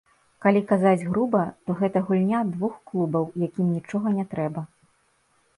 Калі казаць груба, то гэта гульня двух клубаў, якім нічога не трэба.